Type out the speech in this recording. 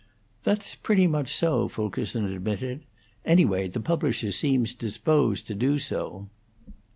"That's pretty much so," Fulkerson admitted. "Anyhow, the publisher seems disposed to do so."